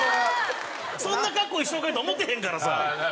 そんな格好いい紹介やと思ってへんからさ。